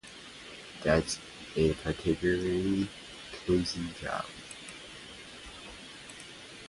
That's a particularly cozy job.